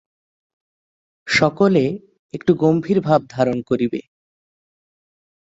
সকলে একটু গম্ভীরভাব ধারণ করিবে।